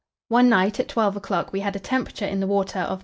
One night at 12 o'clock we had a temperature in the water of 34.